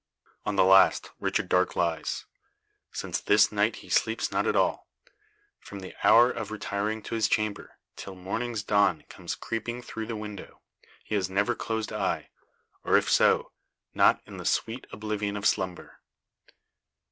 On the last Richard Darke lies; since this night he sleeps not at all. From the hour of retiring to his chamber, till morning's dawn comes creeping through the window, he has never closed eye; or, if so, not in the sweet oblivion of slumber.